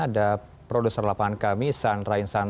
ada produser lapangan kami san rainsana sari tanjung pasir tangerang banten